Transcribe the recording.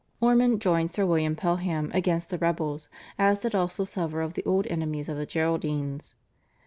Ormond joined Sir William Pelham against the rebels, as did also several of the old enemies of the Geraldines.